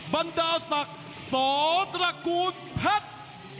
บรรดาศักดิ์สองตระกูลแพทย์